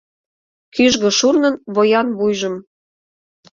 Кӱжгӧ шурнын воян вуйжым